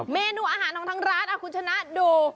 เมนูอาหารของทางร้านคุณชนะดู